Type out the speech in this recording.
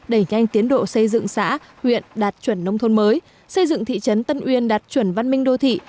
đẩy nhanh tiến độ xây dựng xã huyện đạt chuẩn nông thôn mới xây dựng thị trấn tân uyên đạt chuẩn văn minh đô thị